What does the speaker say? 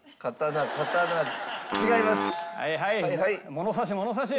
物差し物差し。